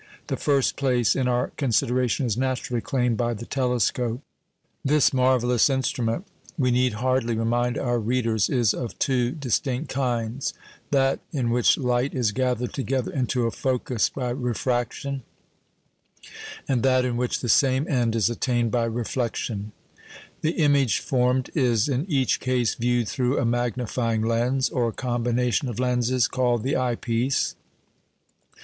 The first place in our consideration is naturally claimed by the telescope. This marvellous instrument, we need hardly remind our readers, is of two distinct kinds that in which light is gathered together into a focus by refraction, and that in which the same end is attained by reflection. The image formed is in each case viewed through a magnifying lens, or combination of lenses, called the eye piece.